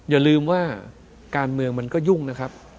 อย่าลืมว่าการเมืองมันก็ยุ่งนะครับ